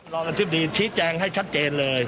อธิบดีชี้แจงให้ชัดเจนเลย